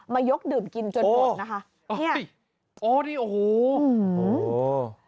มายกดื่มกินจนเกิดนะคะ